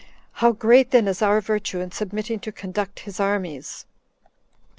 How great then is our virtue in submitting to conduct his armies!"